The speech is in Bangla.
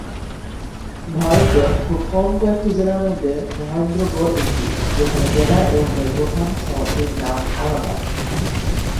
ভারতের খুব কম কয়েকটি জেলার মধ্যে মহেন্দ্রগড় একটি, যেখানে জেলা এবং এর প্রধান শহরটির নাম আলাদা।